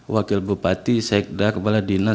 wakil bupati sekda kepala dinas